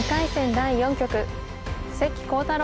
第４局関航太郎